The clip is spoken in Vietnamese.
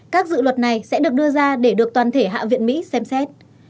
các dự luật này sẽ được đưa ra để được toàn thể hạ viện mỹ xem xét